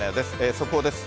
速報です。